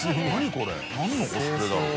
これ何のコスプレだろう